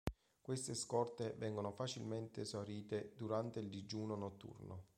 Queste scorte vengono facilmente esaurite durante il digiuno notturno.